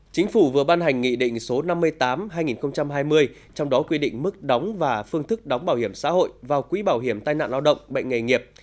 chính phủ vừa ban hành nghị định số năm mươi tám hai nghìn hai mươi trong đó quy định mức đóng và phương thức đóng bảo hiểm xã hội vào quỹ bảo hiểm tai nạn lao động bệnh nghề nghiệp